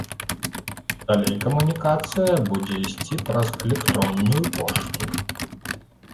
Далей камунікацыя будзе ісці праз электронную пошту.